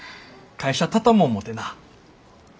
会社畳も思てな。